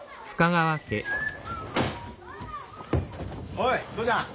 おい父ちゃん。